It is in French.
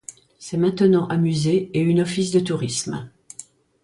C'est maintenant un musée et une office de tourisme.